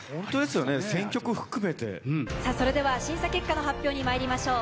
それでは審査結果の発表にまいりましょう。